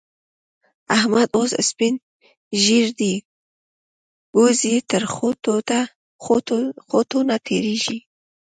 احمد اوس سپين ږير دی؛ ګوز يې تر خوټو نه تېرېږي.